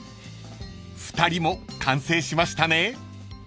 ［２人も完成しましたね］